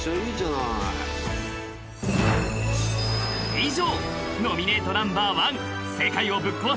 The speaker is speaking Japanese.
［以上］